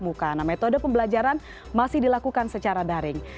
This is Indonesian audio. nah metode pembelajaran masih dilakukan secara daring